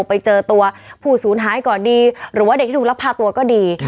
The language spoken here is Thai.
ไปเจอตัวผู้สูญหายก่อนดีหรือว่าเด็กที่ถูกลักพาตัวก็ดี